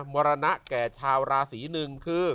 มรณะแก่ชาวราศีหนึ่งคือ